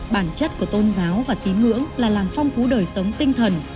bản chất của tôn giáo và tín ngưỡng là làm phong phú đời sống tinh thần